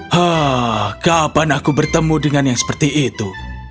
hah kapan aku bertemu dengan yang seperti itu